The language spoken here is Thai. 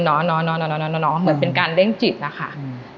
หนอหนอหนอหนอหนอหนอเหมือนเป็นการเล่งจิตอะค่ะอืม